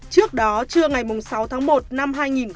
trước đó trưa ngày sáu tháng một năm hai nghìn hai mươi